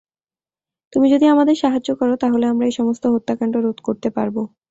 তুমি যদি আমাদের সাহায্য করো, তাহলে আমরা এই সমস্ত হত্যাকাণ্ড রোধ করতে পারব।